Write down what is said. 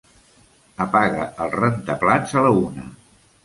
Apaga el rentaplats a la una.